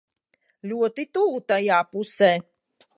Ļoti tuvu tajā pusē.